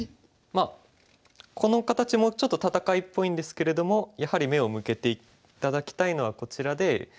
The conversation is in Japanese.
まあこの形もちょっと戦いっぽいんですけれどもやはり目を向けて頂きたいのはこちらで。